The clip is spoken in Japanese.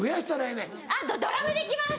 あっドラムできます！